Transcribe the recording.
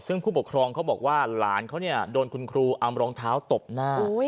ซึ่งผู้ปกครองเขาบอกว่าหลานเขาเนี่ยโดนคุณครูเอารองเท้าตบหน้า